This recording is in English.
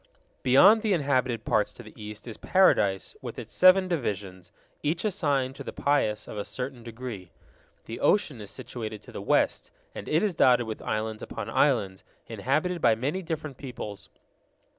Beyond the inhabited parts to the east is Paradise with its seven divisions, each assigned to the pious of a certain degree. The ocean is situated to the west, and it is dotted with islands upon islands, inhabited by many different peoples.